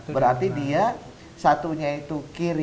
berarti dia satunya itu kiri